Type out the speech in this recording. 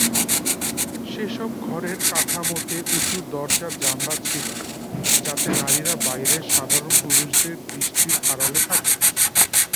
সেসব ঘরের কাঠামোতে উচু দরজা জানালা ছিল, যাতে নারীরা বাইরের সাধারণ পুরুষদের দৃষ্টির আড়ালে থাকে।